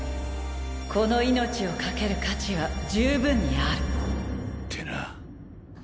この命を懸ける価値は十分にあるってな。